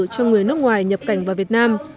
cho người nước ngoài nhập cảnh vào việt nam